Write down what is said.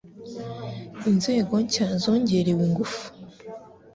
Inzego nshya zongerewe ingufu